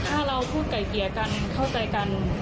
ถ้าเราพูดไก่เกลี่ยกันเข้าใจกัน